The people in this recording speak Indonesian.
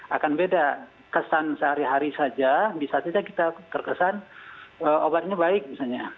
akan beda kesan sehari hari saja bisa saja kita terkesan obatnya baik misalnya